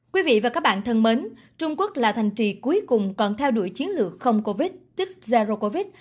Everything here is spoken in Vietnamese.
quý vị và các bạn thân mến trung quốc là thành trì cuối cùng còn theo đuổi chiến lược không covid tức zharo covid